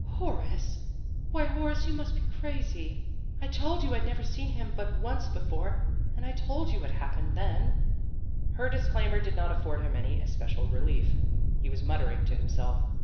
"Horace, why, Horace, you must be crazy. 210 PEGGY RAYMOND'S WAY I told you I had never seen him but once before, and I told you what happened then." Her disclaimer did not afford him any especial relief. He was muttering to himself.